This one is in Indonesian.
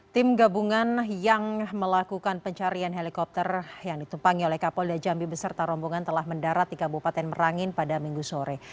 tim gabungan yang melakukan pencarian helikopter yang ditumpangi oleh kapolda jambi beserta rombongan telah mendarat di kabupaten merangin pada minggu sore